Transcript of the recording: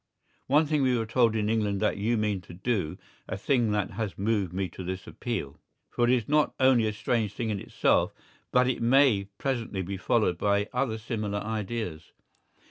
One thing we are told in England that you mean to do, a thing that has moved me to this appeal. For it is not only a strange thing in itself, but it may presently be followed by other similar ideas.